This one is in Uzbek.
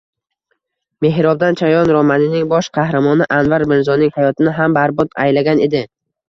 “Mehrobdan chayon” romanining bosh qahramoni Anvar Mirzoning hayotini ham barbod aylagan edi.